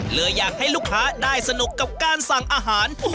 เลยอยากให้ลูกค้าได้สนุกกับการสั่งอาหาร